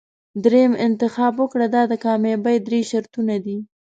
دریم انتخاب وکړه دا د کامیابۍ درې شرطونه دي.